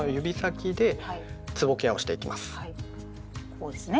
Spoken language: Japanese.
こうですね。